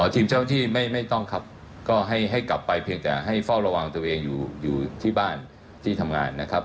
ทีมเจ้าที่ไม่ต้องครับก็ให้กลับไปเพียงแต่ให้เฝ้าระวังตัวเองอยู่ที่บ้านที่ทำงานนะครับ